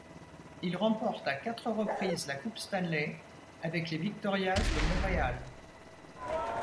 Il remporte à quatre reprises la Coupe Stanley avec les Victorias de Montréal.